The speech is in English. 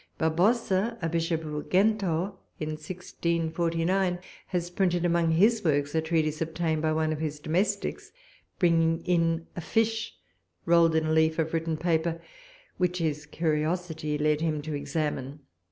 Barbosa, a bishop of Ugento, in 1649, has printed among his works a treatise, obtained by one of his domestics bringing in a fish rolled in a leaf of written paper, which his curiosity led him to examine.